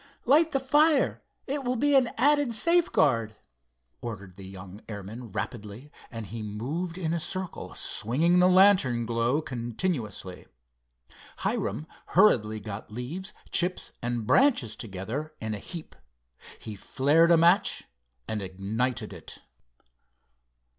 "Light the fire. It will be an added safeguard," ordered the young airman rapidly, and he moved in a circle, swinging the lantern glow continuously. Hiram hurriedly got leaves, chips and branches together in a heap. He flared a match and ignited it.